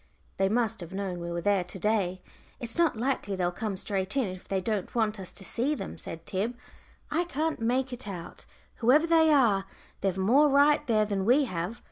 "They must have known we were there to day; it's not likely they'll come straight in if they don't want us to see them," said Tib. "I can't make it out; whoever they are, they've more right there than we have.